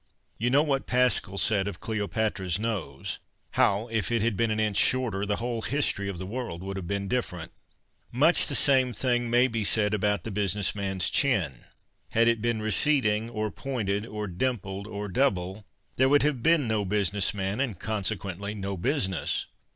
You know what Pascal said of Cleopatra's nose : how, if it had been an inch shorter, the whole history of the world would have been different. Much the same thing may be said about the Ijusiness man's chin. Had it been receding or pointed or dimpled or double, there would have been no business man and consequently no business.